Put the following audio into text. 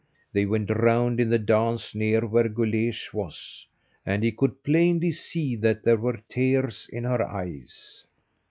They went round in the dance near where Guleesh was, and he could plainly see that there were tears in her eyes.